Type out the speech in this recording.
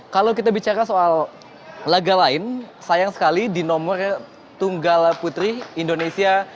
kalau kita bicara soal laga lain sayang sekali di nomor tunggal putri indonesia